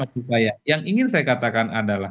maksud saya yang ingin saya katakan adalah